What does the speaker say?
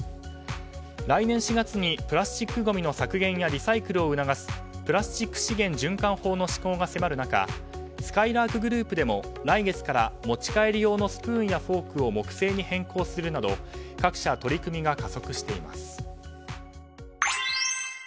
来年４月にプラスチックごみの削減やリサイクルを促すプラスチック資源循環法の施行が迫る中すかいらーくグループでも来月から持ち帰り用のスプーンやフォークを木製に変更するなど各社、取り組みが加速しています。